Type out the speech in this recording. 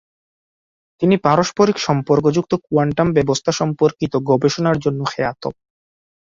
তিনি পারস্পরিক সম্পর্কযুক্ত কোয়ান্টাম ব্যবস্থা সম্পর্কিত গবেষণার জন্য খ্যাত।